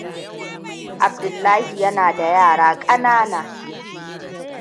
Abdullahi yana da yara kanana.